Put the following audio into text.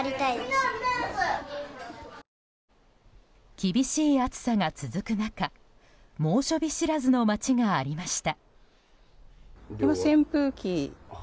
厳しい暑さが続く中猛暑日知らずの町がありました。